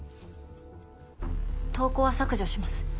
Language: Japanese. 投稿は削除します。